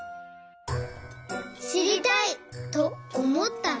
「しりたい！」とおもったら。